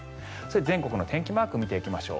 全国の天気マークを見ていきましょう。